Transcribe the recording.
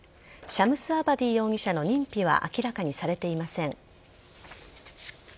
シャムスアバディ容疑者の認否は明らかにされていません。